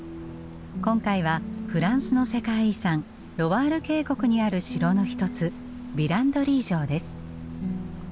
今回はフランスの世界遺産ロワール渓谷にある城の一つヴィランドリー城です。